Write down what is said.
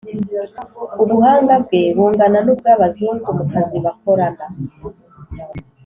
ubuhanga bwe bungana n'ubw'abazungu mu kazi bakorana